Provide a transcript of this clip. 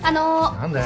何だよ？